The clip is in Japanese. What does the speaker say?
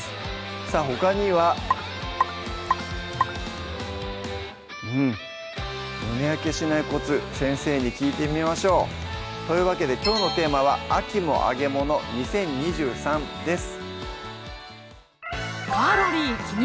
さぁほかにはうん胸焼けしないコツ先生に聞いてみましょうというわけできょうのテーマは「秋も揚げもの２０２３」です